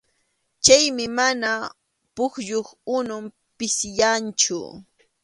Chaymi mana pukyup unun pisiyanchu.